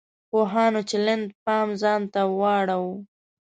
پوهانو چلند پام ځان ته واړاوه.